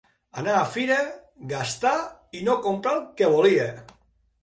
Anar a fira, gastar i no comprar el que volia.